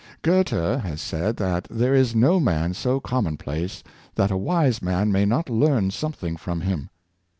Goethe has said that there is no man so common place that a wise man may not learn something from him.